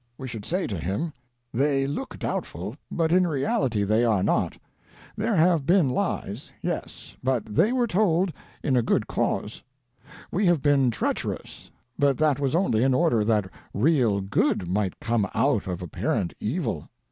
We should say to him: "They look doubtful, but in reality they are not. There have been lies ; yes, but they were told in a good cause. We have been treacherous ; but that was only in order that real good might come out of apparent evil.